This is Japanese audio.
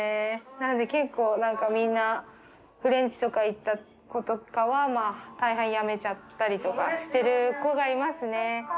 なので結構みんなフレンチとか行った子とかは大半辞めちゃったりとかしてる子がいますね。